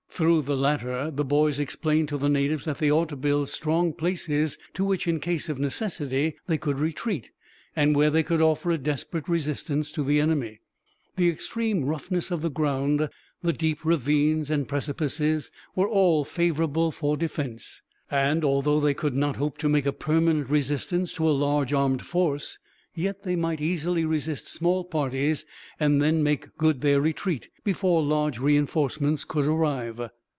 Through the latter, the boys explained to the natives that they ought to build strong places to which, in case of necessity, they could retreat, and where they could offer a desperate resistance to the enemy. The extreme roughness of the ground, the deep ravines and precipices, were all favorable for defense; and although they could not hope to make a permanent resistance to a large armed force, yet they might easily resist small parties, and then make good their retreat before large reinforcements could arrive.